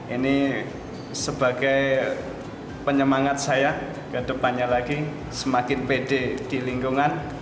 ini sebagai penyemangat saya ke depannya lagi semakin pede di lingkungan